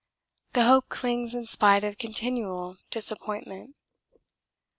The hope clings in spite of continual disappointment.